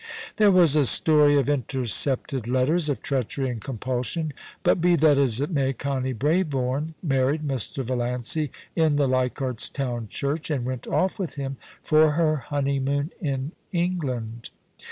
There was a story of intercepted letters, of treachery and compulsion ; but be that as it may, Connie Brabourne married Mr. Valiancy in the Leichardt's Town church, and went off with him for her honeymoon in England.